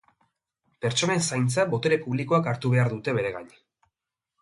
Pertsonen zaintza botere publikoek hartu behar dute bere gain.